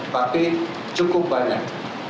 tapi cukup banyak